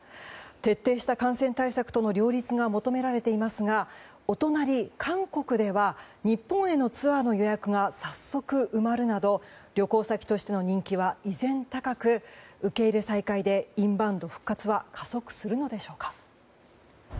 徹底した感染対策との両立が求められていますがお隣、韓国では日本へのツアーの予約が早速、埋まるなど旅行先としての人気は依然高く、受け入れ再開でインバウンド復活は加速するのでしょうか。